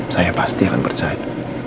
saya pasti akan percaya